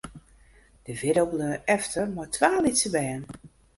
De widdo bleau efter mei twa lytse bern.